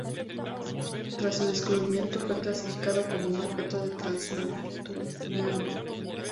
Tras su descubrimiento, fue clasificado como un objeto transneptuniano.